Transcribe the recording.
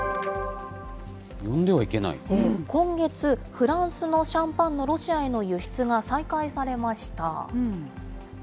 今月、フランスのシャンパンのロシアへの輸出が再開されました。